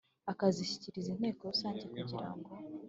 akazishyikiriza Inteko Rusange kugira ngo